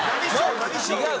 違う。